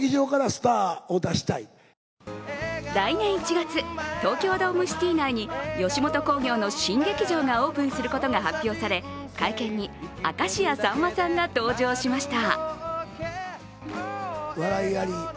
来年１月、東京ドームシティ内に吉本興業の新劇場がオープンすることが発表され会見に明石家さんまさんが登場しました。